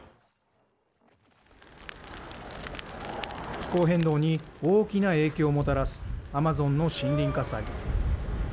気候変動に大きな影響をもたらすアマゾンの森林火災。